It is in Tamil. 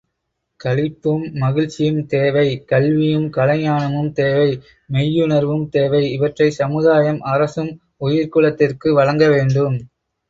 களிப்பும் மகிழ்ச்சியும் தேவை கல்வியும் கலைஞானமும் தேவை மெய்யுணர்வும் தேவை இவற்றைச் சமுதாயமும் அரசும் உயிர்க்குலத்திற்கு வழங்கவேண்டும்.